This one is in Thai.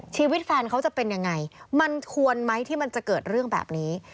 ชีวิตแฟนเขาจะเป็นยังไงมันควรไหมที่มันจะเกิดเรื่องแบบนี้